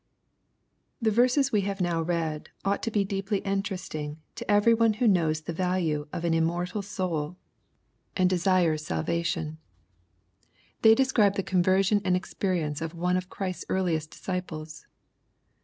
The verses we have now read, ought to be deeply ioteresting to every one who knows the value of ac LUKE, CHAP. V. 147 immortal soul^ and desires salvation. They describe the conversion and experience of one of Christ's earliest disciples.